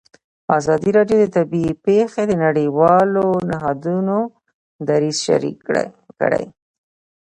ازادي راډیو د طبیعي پېښې د نړیوالو نهادونو دریځ شریک کړی.